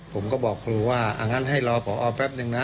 ผมก็บอกครูว่างั้นให้รอพอแป๊บนึงนะ